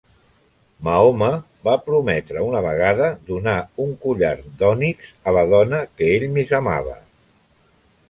Mahoma va prometre una vegada donar un collar d'ònix a la dona que ell més amava.